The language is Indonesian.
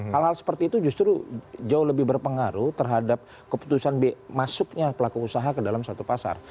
hal hal seperti itu justru jauh lebih berpengaruh terhadap keputusan masuknya pelaku usaha ke dalam suatu pasar